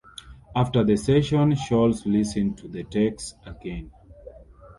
After the session, Sholes listened to the takes again.